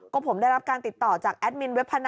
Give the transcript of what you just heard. ก็ผมได้รับการติดต่อจากแอดมินเว็บพนัน